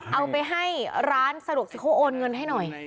เอาไปให้ร้านสะดวกซื้อเขาโอนเงินให้หน่อย